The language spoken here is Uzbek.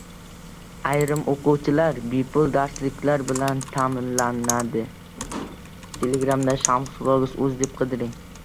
Ayrim o‘quvchilar bepul darsliklar bilan ta’minlanadi